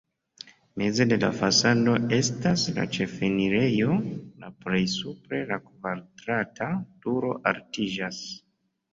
Meze de la fasado estas la ĉefenirejo, la plej supre la kvadrata turo altiĝas.